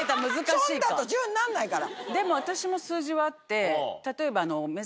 チョンだと１０になんないから。